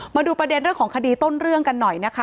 มาดูประเด็นเรื่องของคดีต้นเรื่องกันหน่อยนะคะ